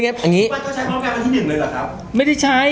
ก็ใช้ภาพแกรมที่๑เลยหรอครับ